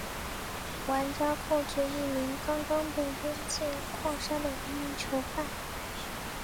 玩家控制一名刚刚被扔进矿山的无名囚犯。